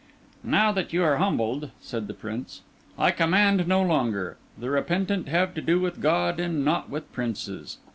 "Now that you are humbled," said the Prince, "I command no longer; the repentant have to do with God and not with princes.